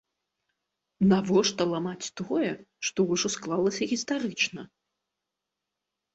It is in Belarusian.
Навошта ламаць тое, што ўжо склалася гістарычна?